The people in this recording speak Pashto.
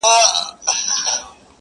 ماته د خپل د زړه آواز راورسيږي!!